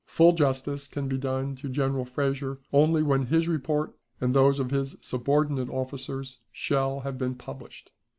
Full justice can be done to General Frazier only when his report and those of his subordinate officers shall have been published.